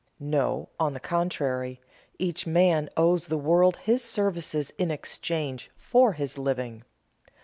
No; on the contrary, each man owes the world his services in exchange for his living.